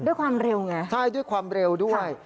ด้วยความเร็วไงใช่ด้วยความเร็วด้วย